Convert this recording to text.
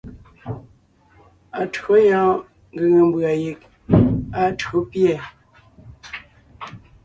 Atÿǒ yɔɔn ngʉ̀ŋe mbʉ̀a yeg áa tÿǒ pîɛ.